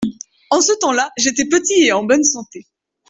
En ce temps-là j’étais petit et en bonne santé.